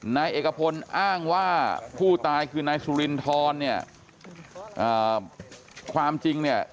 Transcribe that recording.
นายเอกพลอ้างว่าผู้ตายคือนายสุรินทรเนี่ยความจริงเนี่ย